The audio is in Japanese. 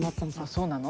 そうなの？